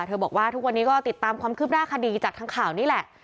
บอกว่าทุกวันนี้ก็ติดตามความคืบหน้าคดีจากทางข่าวนี่แหละ